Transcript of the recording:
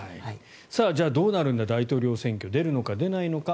じゃあどうなるんだ大統領選挙出るのか出ないのか。